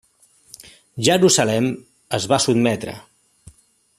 Jerusalem es va sotmetre.